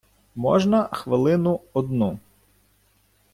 Можна хвилину одну.